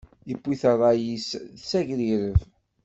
Iwwi-t ṛṛay-is s agrireb.